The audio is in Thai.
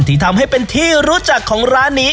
ที่ทำให้เป็นที่รู้จักของร้านนี้